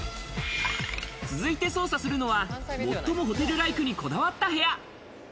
続いて捜査するのは、最もホテルライクにこだわった部屋。